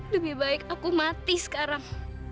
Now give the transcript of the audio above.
lebih baik aku mati sekarang